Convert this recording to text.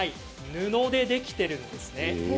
布でできているんです。